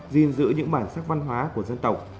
gìn giữ những bản sắc văn hóa của dân tộc